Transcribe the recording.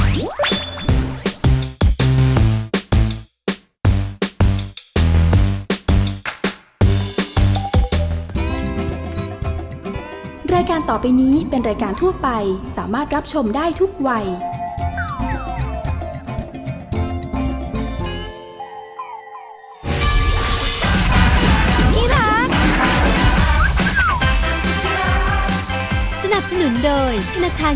โหลดแล้วแล้วคุณล่ะครับโหลดหรือยัง